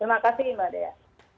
terima kasih mbak ria